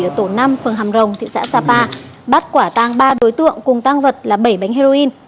ở tổ năm phường hàm rồng thị xã sapa bắt quả tang ba đối tượng cùng tăng vật là bảy bánh heroin